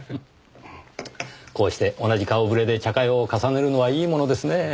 こうして同じ顔ぶれで茶会を重ねるのはいいものですねぇ。